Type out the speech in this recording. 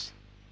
tapi ini pak